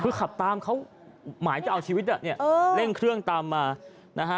คือขับตามเขาหมายจะเอาชีวิตอ่ะเนี่ยเร่งเครื่องตามมานะฮะ